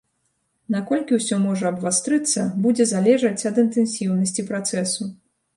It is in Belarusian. Наколькі ўсё можа абвастрыцца, будзе залежаць ад інтэнсіўнасці працэсу.